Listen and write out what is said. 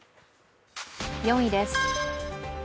４位です。